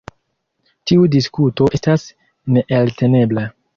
Tiu diskuto estas neeltenebla.